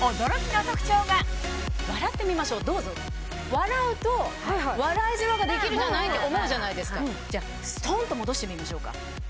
笑うと笑いじわができるじゃないって思うじゃないですかじゃストンと戻してみましょうか。